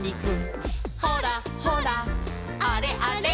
「ほらほらあれあれ」